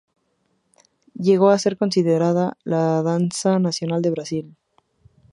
Llegó a ser considerada la danza nacional de Brasil.